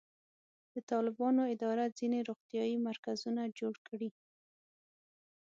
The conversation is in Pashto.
د طالبانو اداره ځینې روغتیایي مرکزونه جوړ کړي.